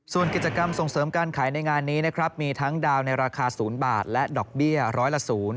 ส่วนกิจกรรมส่งเสริมการขายในงานนี้นะครับมีทั้งดาวในราคา๐บาทและดอกเบี้ยร้อยละ๐